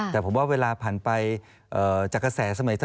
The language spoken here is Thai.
แต่ผมว่าเวลาผ่านไปจากกระแสสมัยเธอ